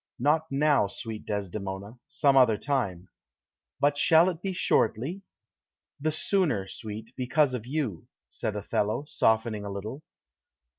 "Not now, sweet Desdemona; some other time." "But shall it be shortly?" "The sooner, sweet, because of you," said Othello, softening a little.